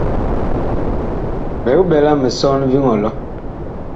Big ɓɛla misɔn viŋ ɔlɔ.